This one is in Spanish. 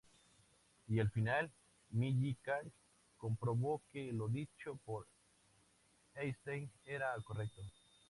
Y al final, Millikan, comprobó que lo dicho por Einstein era correcto.